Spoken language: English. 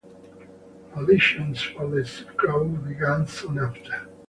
Auditions for the subgroup began soon after.